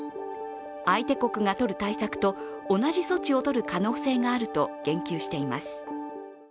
相手国が取る対策と、同じ措置を取る可能性があると言及しています。